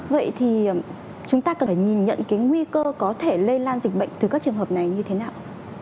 vậy thì chúng ta cần phải nhìn nhận cái nguy cơ có thể lây lan dịch bệnh từ các trường hợp này như thế nào